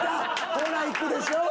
ほらいくでしょ？